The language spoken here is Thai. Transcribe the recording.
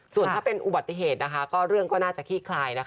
ส่วนถ้าเป็นอุบัติเหตุก็เรื่องก็น่าจะขี้คลายนะคะ